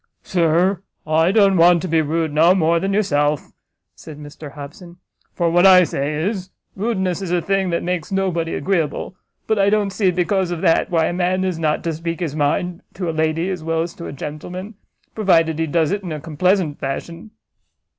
"Sir, I don't want to be rude no more than yourself," said Mr Hobson, "for what I say is, rudeness is a thing that makes nobody agreeable; but I don't see because of that, why a man is not to speak his mind to a lady as well as to a gentleman, provided he does it in a complaisant fashion."